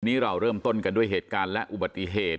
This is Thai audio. เราเริ่มต้นกันด้วยเหตุการณ์และอุบัติเหตุ